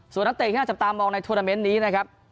ส่วนนัดเตะอีกหน้าจะตามมองในทฤษภาคมันนะครับ